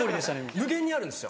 無限にあるんですよ。